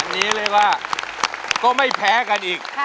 อันนี้เรียกว่าก็ไม่แพ้กันอีก